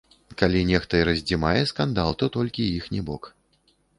Калі нехта і раздзімае скандал, то толькі іхні бок.